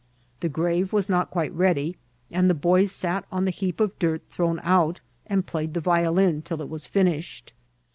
The grave was not quite ready, and the boys sat on the heap of dirt thrown out, and played the violin till it was finished.